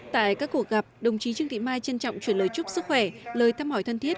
tại các cuộc gặp đồng chí trương thị mai trân trọng truyền lời chúc sức khỏe lời thăm hỏi thân thiết